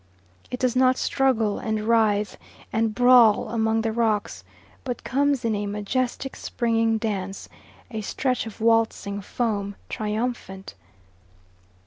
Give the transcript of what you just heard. It does not struggle, and writhe, and brawl among the rocks, but comes in a majestic springing dance, a stretch of waltzing foam, triumphant.